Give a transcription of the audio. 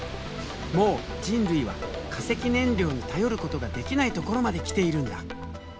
もう人類は化石燃料に頼ることができないところまで来ているんだ。